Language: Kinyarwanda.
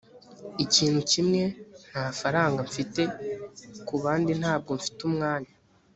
ikintu kimwe, nta faranga mfite. kubandi, ntabwo mfite umwanya